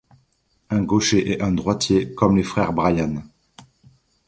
Un gaucher et un droitier comme les frères Bryan.